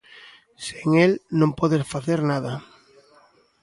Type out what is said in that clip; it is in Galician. Sen el non podes facer nada.